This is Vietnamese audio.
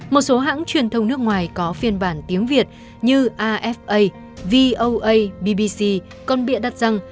một số hãng truyền thông nước ngoài có phiên bản tiếng việt như afa voa bbc còn bịa đặt rằng